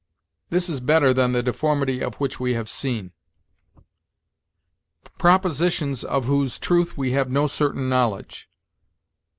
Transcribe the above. This is better than 'the deformity of which we have seen.' 'Propositions of whose truth we have no certain knowledge.'